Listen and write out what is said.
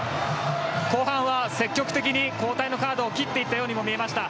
後半は積極的に交代のカードを切っていったようにも見えました。